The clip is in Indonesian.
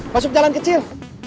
masuk jalan kecil